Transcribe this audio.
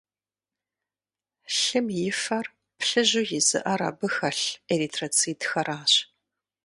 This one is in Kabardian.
Лъым и фэр плыжьу изыӀэр абы хэлъ эритроцитхэращ.